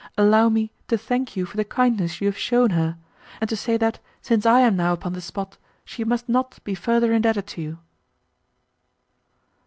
Allow me to thank you for the kindness you have shown her, and to say, that, since I am now upon the spot, she must not be further indebted to you."